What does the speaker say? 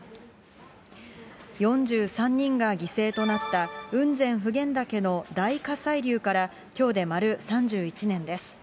４３人が犠牲となった雲仙普賢岳の大火砕流から、きょうで丸３１年です。